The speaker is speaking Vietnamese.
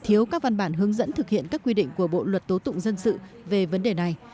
thiếu các văn bản hướng dẫn thực hiện các quy định của bộ luật tố tụng dân sự về vấn đề này